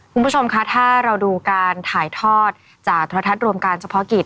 คุณผู้ชมคะถ้าเราดูการถ่ายทอดจากโทรทัศน์รวมการเฉพาะกิจ